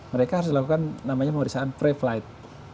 mereka harus dilakukan namanya pengurusan pre flight